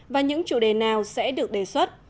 và những chủ đề nào sẽ được đề xuất